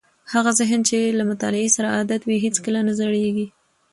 هغه ذهن چې له مطالعې سره عادت وي هیڅکله نه زړېږي.